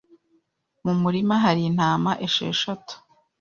Mu murima hari intama esheshatu.